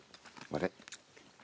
あれ？